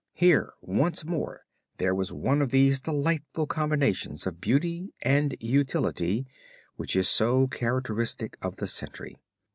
Here once more there was one of these delightful combinations of beauty and utility which is so characteristic of the century.